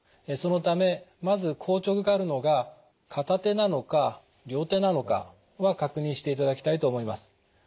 そのためまず硬直があるのが片手なのか両手なのかは確認していただきたいと思います。